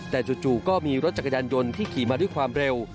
แต่จู่ก็มีรถจักรยานยนต์ที่ขี่มาด้วยความเร็ว